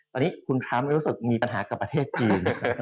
ตอนนี้คุณทรัมป์รู้สึกมีปัญหากับประเทศจีน